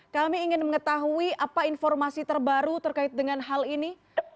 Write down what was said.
kami ingin mengetahui apa informasi terbaru terkait dengan hal ini